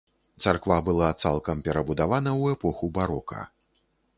Царква была цалкам перабудавана ў эпоху барока.